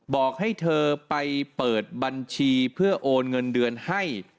บอกให้เธอไปเปิดบัญชีเพื่อโอนเงินเดือนให้